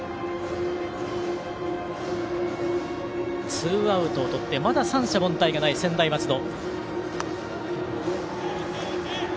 ツーアウトをとってまだ三者凡退のない専大松戸。